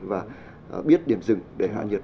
và biết điểm dừng để hạ nhiệt